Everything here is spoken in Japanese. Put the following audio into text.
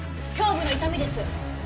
胸部の痛みです。